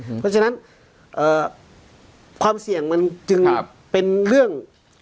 เพราะฉะนั้นความเสี่ยงมันจึงเป็นเรื่อง